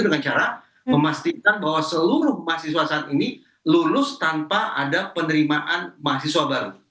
dengan cara memastikan bahwa seluruh mahasiswa saat ini lulus tanpa ada penerimaan mahasiswa baru